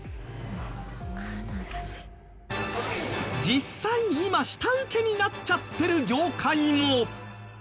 実際今下請けになっちゃってる業界も！